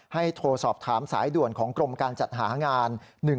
โทรสอบถามสายด่วนของกรมการจัดหางาน